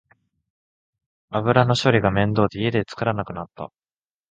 油の処理が面倒で家で作らなくなった